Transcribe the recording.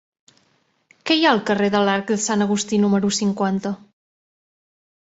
Què hi ha al carrer de l'Arc de Sant Agustí número cinquanta?